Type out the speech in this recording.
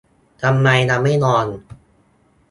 ทำไมยังไม่นอน